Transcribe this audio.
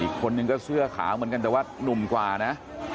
อีกคนนึงก็เสื้อขาวเหมือนกันแต่ว่าหนุ่มกว่านะ